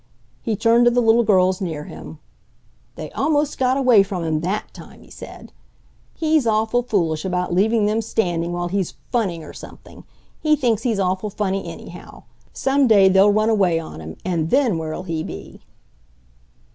He turned to the little girls near him. "They 'most got away from him THAT time!" he said. "He's awful foolish about leaving them standing while he's funning or something. He thinks he's awful funny, anyhow. Some day they'll run away on him and THEN where'll he be?"